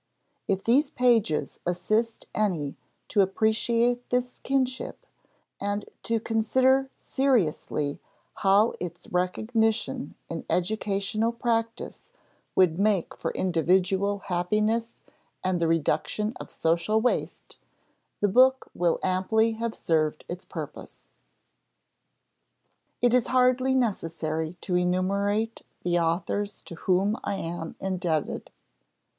If these pages assist any to appreciate this kinship and to consider seriously how its recognition in educational practice would make for individual happiness and the reduction of social waste, the book will amply have served its purpose. It is hardly necessary to enumerate the authors to whom I am indebted.